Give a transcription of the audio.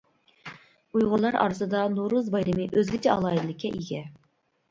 ئۇيغۇرلار ئارىسىدا نورۇز بايرىمى ئۆزگىچە ئالاھىدىلىككە ئىگە.